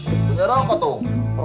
itu nyerah kok tuh